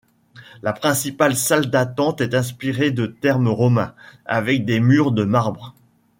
La principale salle d'attente est inspirée de thermes romains, avec des murs de marbre.